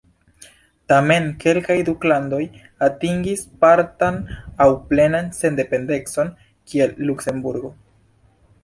Tamen kelkaj duklandoj atingis partan aŭ plenan sendependecon, kiel Luksemburgo.